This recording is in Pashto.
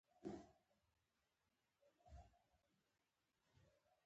د علامه حبو اخندزاده خطي اثر یې را وښکاره کړ.